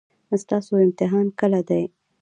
ستاسو امتحان کله دی؟